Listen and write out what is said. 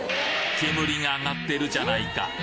煙があがってるじゃないか！